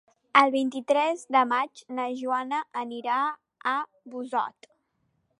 El vint-i-tres de maig na Joana anirà a Bossòst.